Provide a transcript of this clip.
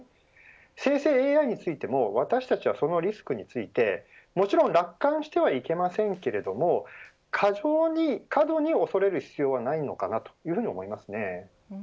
生成ＡＩについても私たちは、そのリスクについてもちろん楽観してはいけませんけれども過剰に過度に恐れる必要はないのかなというふうに思いますね。